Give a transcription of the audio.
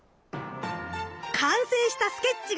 完成したスケッチがこちら！